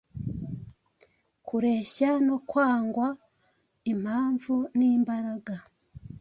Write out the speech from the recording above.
Kureshya no kwangwa, impamvu n'imbaraga,